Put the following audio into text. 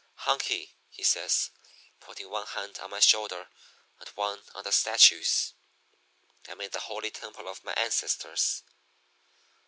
"'Hunky,' he says, putting one hand on my shoulder and one on the statue's, 'I'm in the holy temple of my ancestors.'